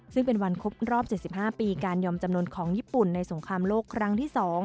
ซึ่งเป็นวันครบรอบ๗๕ปีการยอมจำนวนของญี่ปุ่นในสงครามโลกครั้งที่๒